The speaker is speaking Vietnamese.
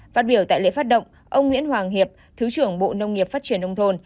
phát biểu tại lễ phát động ông nguyễn hoàng hiệp thứ trưởng bộ nông nghiệp phát triển nông thôn